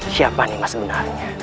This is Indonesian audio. siapa ini mas sebenarnya